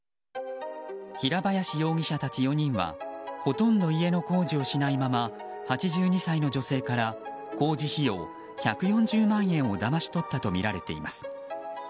平林容疑者たち４人はほとんど家の工事をしないまま８２歳の女性から工事費用１４０万円をだまし取ったとみられています。